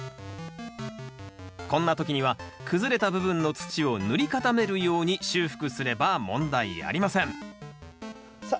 こんな時には崩れた部分の土を塗り固めるように修復すれば問題ありませんさあ